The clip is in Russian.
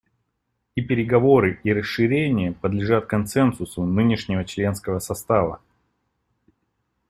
И переговоры, и расширение подлежат консенсусу нынешнего членского состава.